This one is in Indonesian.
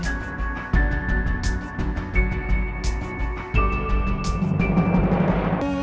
tidak ada yang bisa dipercaya